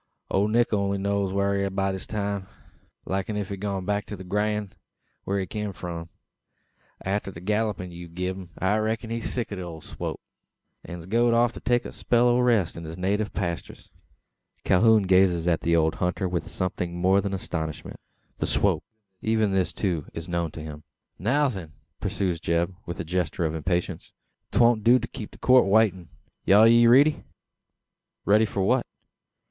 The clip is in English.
"Ole Nick only knows whar he air by this time. Like enuf gone back to the Grand, whar he kim from. Arter the gallupin ye've gi'n him, I reck'n he air sick o' the swop; an's goed off to take a spell o' rest on his native pasters." Calhoun gazes on the old hunter with something more than astonishment. The swop! Even this, too, is known to him! "Now, then," pursues Zeb, with a gesture of impatience. "'Twon't do to keep the Court a waitin'. Are ye riddy?" "Ready for what?"